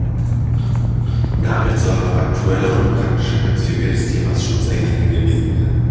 Damit soll auf aktuelle und praktische Bezüge des Themas „Schutzengel“ hingewiesen werden.